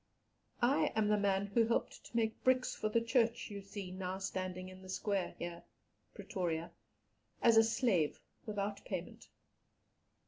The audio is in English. I am the man who helped to make bricks for the church you see now standing in the square here (Pretoria), as a slave without payment.